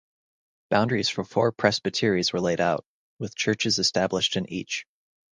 Boundaries for four presbyteries were laid out, with churches established in each.